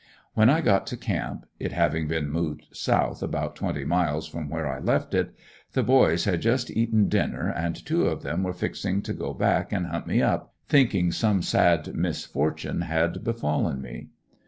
When I got to camp it having been moved south about twenty miles from where I left it the boys had just eaten dinner and two of them were fixing to go back and hunt me up, thinking some sad misfortune had befallen me.